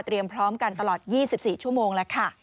พร้อมกันตลอด๒๔ชั่วโมงแล้วค่ะ